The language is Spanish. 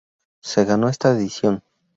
Se ganó esta edición.